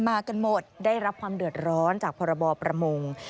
มากันหมดได้รับความเดือดร้อนจากพรบประมง